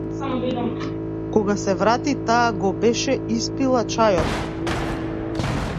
Кога се врати таа го беше испила чајот.